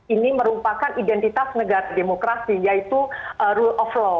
ini merupakan identitas negara demokrasi yaitu rule of law